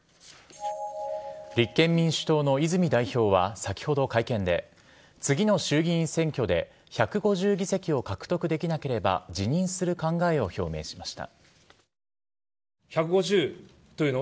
立憲民主党の泉代表は先ほど会見で次の衆議院選挙で１５０議席を獲得できなければ辞任する考えを表明しました。